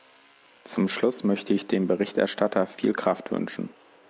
Zum Schluss möchte ich dem Berichterstatter viel Kraft wünschen.